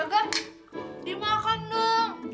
juragan dimakan dong